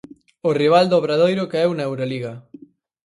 O rival do Obradoiro caeu na Euroliga.